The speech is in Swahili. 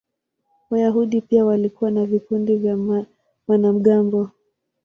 Wayahudi pia walikuwa na vikundi vya wanamgambo.